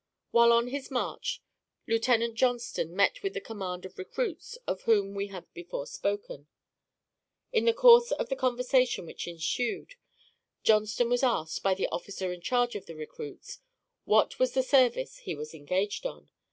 While on his march, Lieutenant Johnston met with the command of recruits of whom we have before spoken. In the course of the conversation which ensued, Johnston was asked, by the officer in charge of the recruits, what was the service he was engaged on?